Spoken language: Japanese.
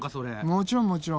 もちろんもちろん。